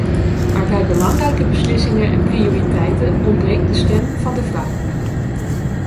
Maar bij belangrijke beslissingen en prioriteiten ontbreekt de stem van de vrouw.